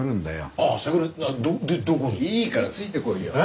いいからついてこいよ。